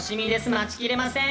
待ちきれません！